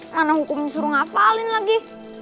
karena hukum disuruh ngapalin lagi